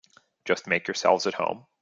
Just make yourselves at home.